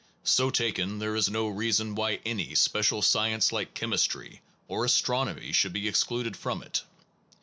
So taken, there is no reason why any special science like chemistry, or as tronomy, should be excluded from it.